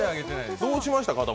どうしました？